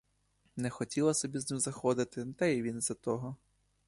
Не хотіла собі з ним заходити, та й він із-за того.